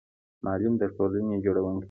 معلم د ټولنې جوړونکی دی